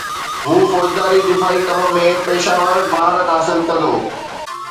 هو فوجداري دفاعي ڪم ۾ پيشه ور مهارت حاصل ڪندو